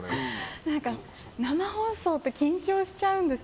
何か生放送って緊張しちゃうんです。